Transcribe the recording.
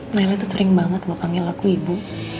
nailah tuh sering banget lo panggil aku ibu